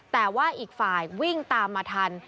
แต่ว่าอีกฝ่ายวิ่งตามมาทัน